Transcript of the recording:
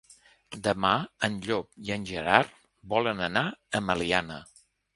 Demà en Llop i en Gerard volen anar a Meliana.